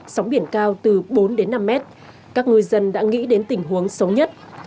sóng biển cao từ bốn đến năm mét các ngư dân đã nghĩ đến tình huống xấu nhất